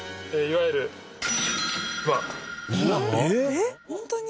えっホントに？